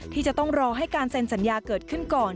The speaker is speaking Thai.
ที่จะต้องรอให้การเซ็นสัญญาเกิดขึ้นก่อน